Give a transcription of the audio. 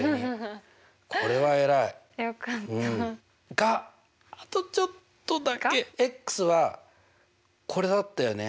があとちょっとだけ。はこれだったよね。